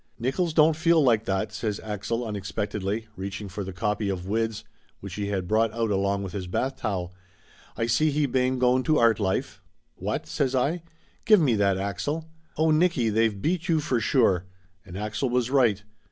"Nickolls don't feel like that," says Axel unex pectedly, reaching for the copy of Wid's, which he had brought out along with his bath towel. "Ay see he bane going to Artlife!" "What?" says I. "Give me that, Axel ! Oh, Nicky, they've beat you for sure!" And Axel was right.